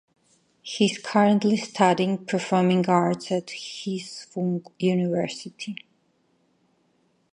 He is currently studying performing arts at Hsing Wu University.